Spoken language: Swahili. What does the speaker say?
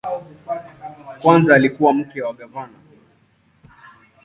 Kwanza alikuwa mke wa gavana.